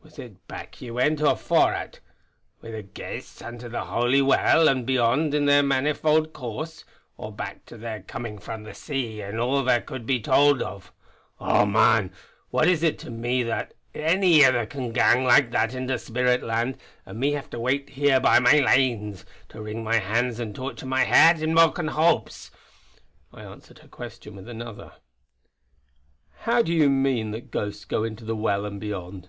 Was it back ye went, or forrart; wi' the ghaists into the Holy Well and beyond in their manifold course; or back to their comin' frae the sea and all that could there be told? Oh! mon, what it is to me that any ither can gang like that into spirit land, and me have to wait here by my lanes; to wring my hands an' torture my hairt in broken hopes!" I answered her question with another: "How do you mean that ghosts go into the well and beyond?"